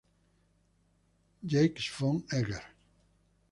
Jacques von Eggers".